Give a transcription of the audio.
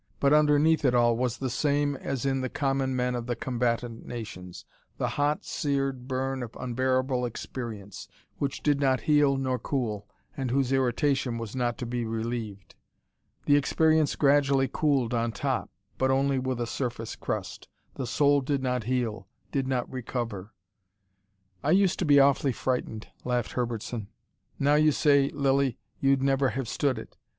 But underneath it all was the same as in the common men of all the combatant nations: the hot, seared burn of unbearable experience, which did not heal nor cool, and whose irritation was not to be relieved. The experience gradually cooled on top: but only with a surface crust. The soul did not heal, did not recover. "I used to be awfully frightened," laughed Herbertson. "Now you say, Lilly, you'd never have stood it.